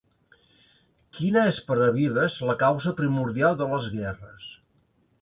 Quina és per a Vives la causa primordial de les guerres?